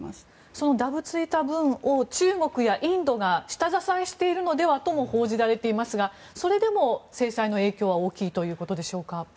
そのだぶついた分を中国やインドが下支えしているのではとも報じられていますがそれでも制裁の影響は大きいということでしょうか。